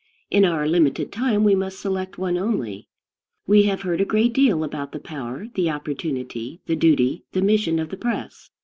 In our limited time we must select one only. We have heard a great deal about the power, the opportunity, the duty, the "mission," of the press.